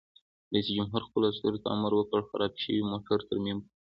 رئیس جمهور خپلو عسکرو ته امر وکړ؛ خراب شوي موټر ترمیم کړئ!